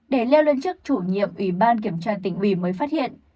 để leo lên trước chủ nhiệm ủy ban kiểm tra tình huy mới phát hiện